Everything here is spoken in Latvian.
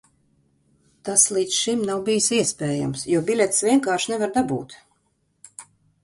Tas līdz šim nav bijis iespējams, jo biļetes vienkārši nevar dabūt.